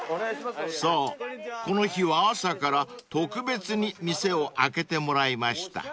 ［そうこの日は朝から特別に店を開けてもらいました］